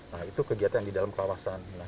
nah itu kegiatan di dalam kawasan